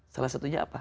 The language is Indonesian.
salah satunya apa